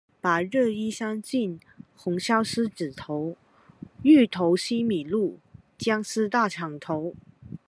白日依山盡，紅燒獅子頭，芋頭西米露，薑絲大腸頭